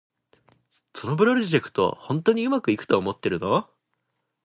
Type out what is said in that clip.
そのプロジェクト、本当にうまくいくと思ってるの？